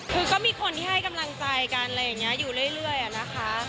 คือก็มีคนที่ให้กำลังใจกันอยู่เรื่อยนะคะ